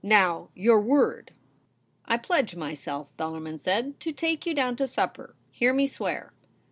Now, your word !'* I pledge myself,' Bellarmin said, * to take you down to supper. Hear me swear.'